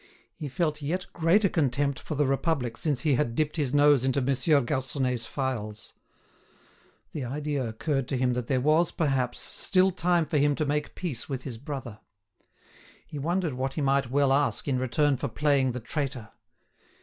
He felt yet greater contempt for the Republic since he had dipped his nose into Monsieur Garconnet's phials. The idea occurred to him that there was, perhaps, still time for him to make peace with his brother. He wondered what he might well ask in return for playing the traitor.